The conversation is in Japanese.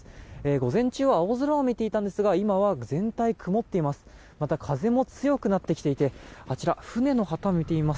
午前中は青空も見えていたんですが今は全体曇っています。